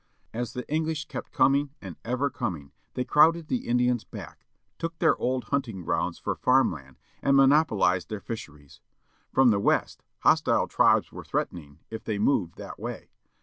As the English kept coming and ever coming they crowded the Indians back, took their old hunting grounds for farm land, and monopolized their fisheries! From the west hostile tribes were threatening, if they moved that way.